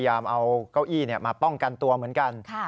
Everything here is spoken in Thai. เอาเก้าอี้มาป้องกันตัวเหมือนกัน